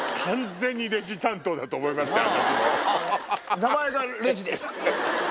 「名前がレジです」。